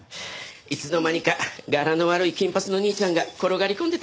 いつの間にか柄の悪い金髪の兄ちゃんが転がり込んでたみたいだけど。